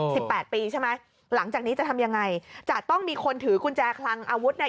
แปดปีใช่ไหมหลังจากนี้จะทำยังไงจะต้องมีคนถือกุญแจคลังอาวุธใน